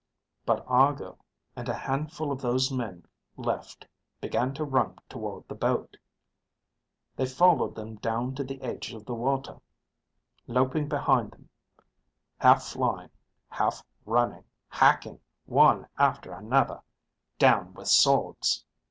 But Argo and a handful of those men left began to run toward the boat. They followed them down to the edge of the water, loping behind them, half flying, half running, hacking one after another down with swords.